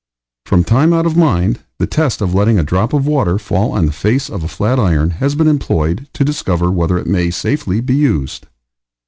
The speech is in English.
From time out of mind the test of letting a drop of water fall on the face of a hot flat iron has been employed to discover whether it may safely be used.